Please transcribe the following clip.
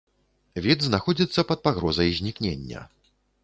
Від знаходзіцца пад пагрозай знікнення.